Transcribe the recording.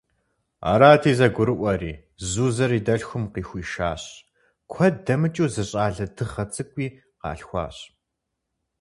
Арати, зэгурыӏуэри Зузэр и дэлъхум къыхуишащ, куэд дэмыкӏыу зы щӏалэ дыгъэ цӏыкӏуи къалъхуащ.